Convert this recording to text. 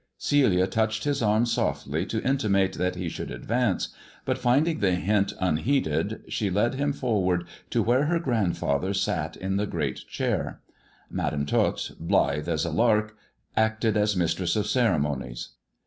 Celia touched his arm softly to intimate that he should advance, but, finding the hint unheeded, she led him forward to where her grandfather sat in the great chair. Madam Tot, blithe as a lark, acted as mistress of ceremonies.